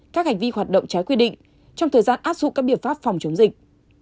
các hành vi hoạt động trái quy định trong thời gian áp dụng các biện pháp phòng chống dịch